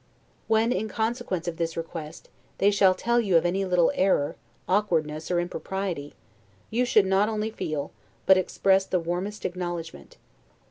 When, in consequence of this request, they shall tell you of any little error, awkwardness, or impropriety, you should not only feel, but express the warmest acknowledgment.